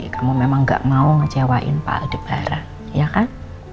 kamu memang gak mau ngecewain pak adebara ya kan